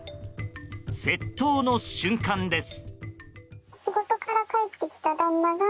窃盗の瞬間です。